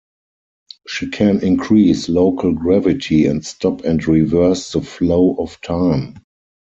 She can increase local gravity, and stop and reverse the flow of time.